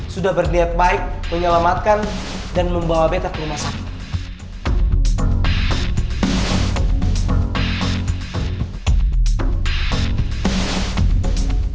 sudah berlihat baik menyelamatkan dan membawa betet ke rumah sakit